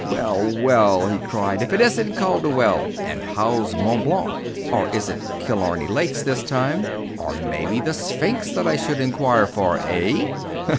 "Well, well," he cried, "if it isn't Calderwell! And how's Mont Blanc? Or is it the Killarney Lakes this time, or maybe the Sphinx that I should inquire for, eh?"